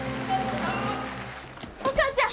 お母ちゃん！